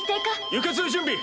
輸血準備！